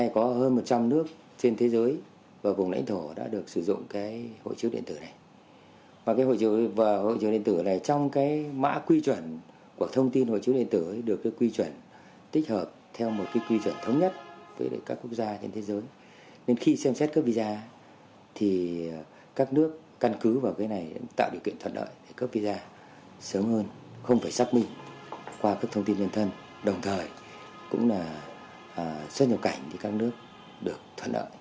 không phải xác minh qua các thông tin nhân thân đồng thời cũng là xuất nhập cảnh cho các nước được thuận lợi